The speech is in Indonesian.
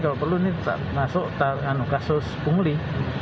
kalau perlu ini masuk kasus pungli